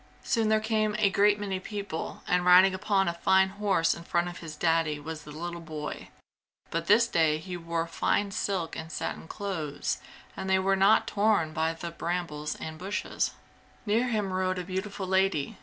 Soon there came a great many people, and riding upon a fine horse in front of his Daddy was the little boy, but this day he wore fine silk and satin clothes and they were not torn by the brambles and bushes. Near him rode a beautiful lady.